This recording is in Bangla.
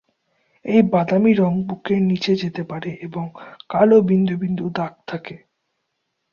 এই বাদামী রং বুকের নিচে যেতে পারে এবং কালো বিন্দু বিন্দু দাগ থাকে।